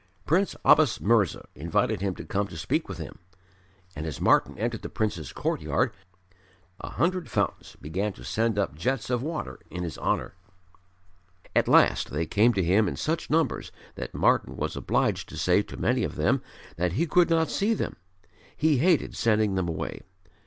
Prince Abbas Mirza invited him to come to speak with him; and as Martyn entered the Prince's courtyard a hundred fountains began to send up jets of water in his honour. At last they came to him in such numbers that Martyn was obliged to say to many of them that he could not see them. He hated sending them away.